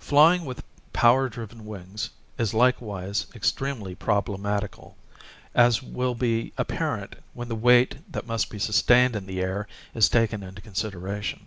Flying with power driven wings is likewise extremely problematical, as will be apparent when the weight that must be sustained in the air is taken into con sideration.